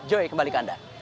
joy kembali ke anda